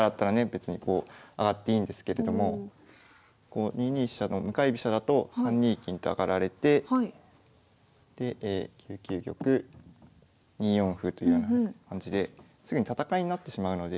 別にこう上がっていいんですけれども２二飛車の向かい飛車だと３二金と上がられてで９九玉２四歩というような感じですぐに戦いになってしまうので。